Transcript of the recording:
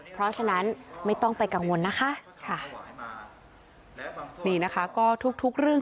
เพราะฉะนั้นไม่ต้องไปกังวลนะคะค่ะนี่นะคะก็ทุกทุกเรื่อง